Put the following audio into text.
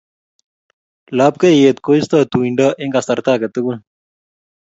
Lapkeiyet koistoi tuindo eng kasarta age tugul